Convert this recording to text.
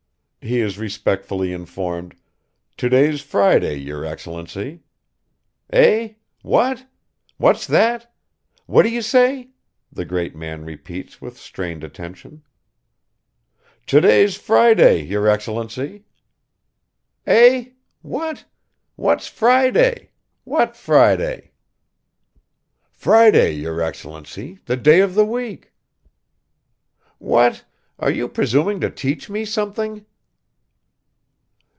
He is respectfully informed, "Today's Friday, your Excellency." "Eh? What? What's that? What do you say?" the great man repeats with strained attention. "Today's Friday, your Excellency." "Eh? What? What's Friday? What Friday?" "Friday, your Excellency, the day of the week." "What, are you presuming to teach me something?"